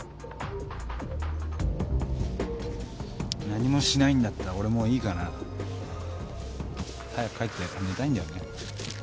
何もしないんだったら俺もういいかなぁ？早く帰って寝たいんだよね。